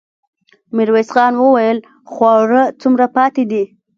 ميرويس خان وويل: خواړه څومره پاتې دي؟